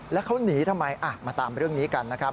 แล้วเขาหนีทำไมมาตามเรื่องนี้กันนะครับ